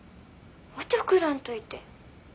おちょくらんといて。